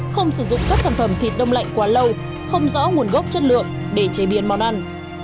không sử dụng các sản phẩm thịt đông lạnh quá lâu không rõ nguồn gốc chất lượng để chế biến món ăn